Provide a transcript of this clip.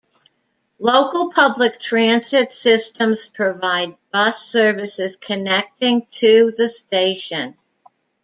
Local public transit systems provide bus services connecting to the station.